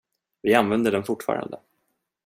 Vi använder den fortfarande.